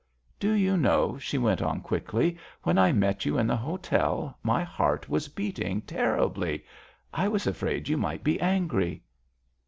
"Do you know," she went on quickly, "when I met you in the hotel my heart was beating terribly. I was afraid you might be angry!"